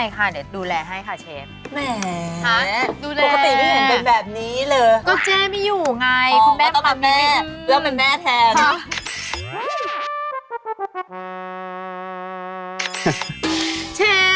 ว้าวอุ้ยกรอบมากน่ะครับใส่